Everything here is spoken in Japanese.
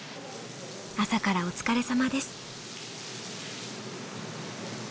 朝からお疲れさまです。